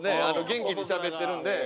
元気にしゃべってるんで。